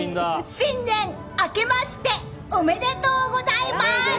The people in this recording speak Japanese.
新年あけましておめでとうございます！